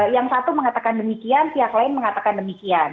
yang satu mengatakan demikian pihak lain mengatakan demikian